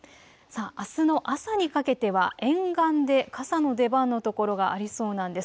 あすの朝にかけては沿岸で傘の出番の所がありそうなんです。